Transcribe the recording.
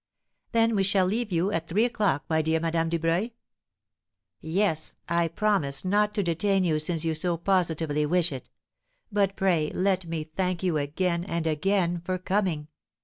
"Then we shall leave you at three o'clock, my dear Madame Dubreuil?" "Yes; I promise not to detain you since you so positively wish it. But pray let me thank you again and again for coming.